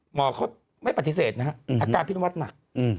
หมอเขาไม่ปฏิเสธนะฮะอาการพี่นวัดหนัก